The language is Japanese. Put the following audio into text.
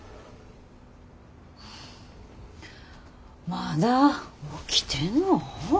まだ起きてんの？